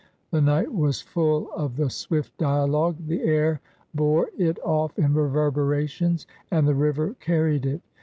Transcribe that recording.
The night was full of the swift dialogue : the air bore it off in reverberations, and the river carried it.